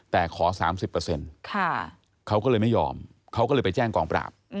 แต่ขอ๓๐เขาก็เลยไม่ยอมเขาก็เลยไปแจ้งกองปราบ